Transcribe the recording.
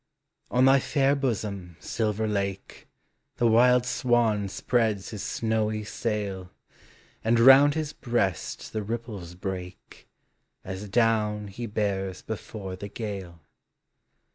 On thy fair bosom, silver lake. The wild swan spreads his snowy sail, And round his breast the ripples break, As down he bears before the gale.